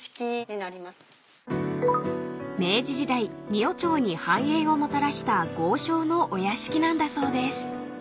［明治時代仁尾町に繁栄をもたらした豪商のお屋敷なんだそうです］